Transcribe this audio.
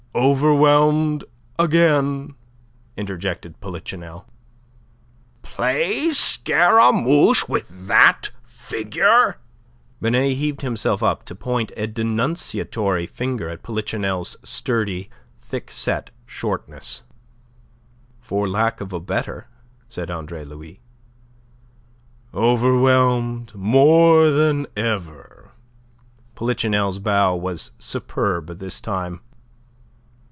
"Overwhelmed again," interjected Polichinelle. "Play Scaramouche with that figure?" Binet heaved himself up to point a denunciatory finger at Polichinelle's sturdy, thick set shortness. "For lack of a better," said Andre Louis. "Overwhelmed more than ever." Polichinelle's bow was superb this time.